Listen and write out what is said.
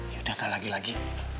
yaudah gak lagi lagi